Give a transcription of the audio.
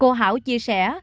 cô hảo chia sẻ